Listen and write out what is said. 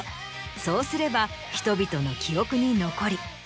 そうすれば人々の記憶に残り。